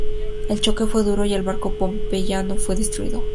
El choque fue duro y el barco pompeyano fue destruido.